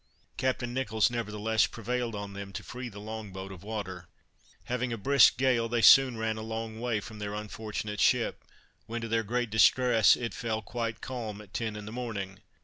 Captain Nicholls, nevertheless, prevailed on them to free the long boat of water. Having a brisk gale, they soon ran a long way from their unfortunate ship, when to their great distress, it fell quite calm at ten in the morning.